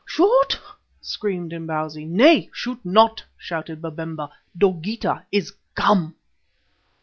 "Shoot!" screamed Imbozwi. "Nay, shoot not!" shouted Babemba. "_Dogeetah is come!